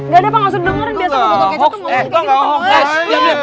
gak ada pak gak usah dengerin biasa kok botol kecoh tuh mau ngomong kayak gitu